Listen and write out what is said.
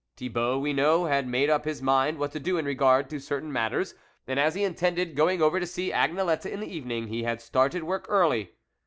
Thibault, we know, had made up his mind what to do in regard to certain matters, and as he intended going over to see Agnelette in the evening, he had started work early.